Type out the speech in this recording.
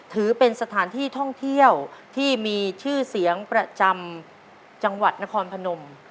ถือเป็นสถานที่ท่องเที่ยวที่มีชื่อเสียงประจำจังหวัดนครพนม